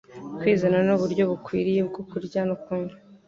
Kwizera n’Uburyo Bukwiriye bwo Kurya no Kunywa